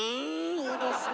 いいですね。